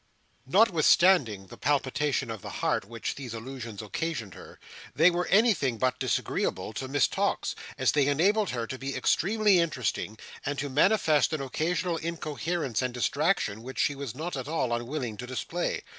Notwithstanding the palpitation of the heart which these allusions occasioned her, they were anything but disagreeable to Miss Tox, as they enabled her to be extremely interesting, and to manifest an occasional incoherence and distraction which she was not at all unwilling to display.